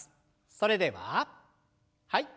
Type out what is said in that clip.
それでははい。